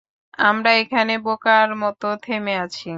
আমরা এখানে বোকার মতো থেমে আছি!